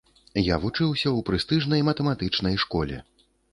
Я вучыўся ў прэстыжнай матэматычнай школе.